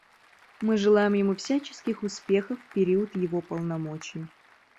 Мы желаем ему всяческих успехов в период его полномочий.